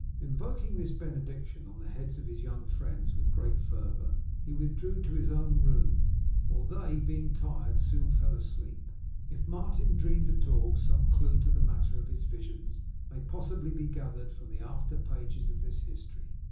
Invoking this benediction on the heads of his young friends with great fervour, he withdrew to his own room; while they, being tired, soon fell asleep. If Martin dreamed at all, some clue to the matter of his visions may possibly be gathered from the after pages of this history.